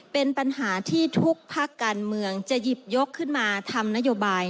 เป็นปัญหาที่ทุกภาคการเมืองจะหยิบยกขึ้นมาทำนโยบาย